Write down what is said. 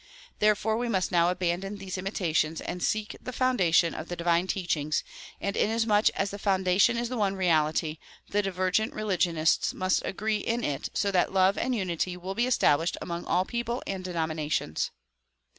Therefore we must now abandon these imita tions and seek the foundation of the divine teachings ; and inasmuch as the foundation is the one reality, the divergent religionists must agree in it so that love and unity will be established among all people and denominations.